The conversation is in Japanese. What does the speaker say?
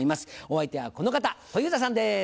お相手はこの方小遊三さんです。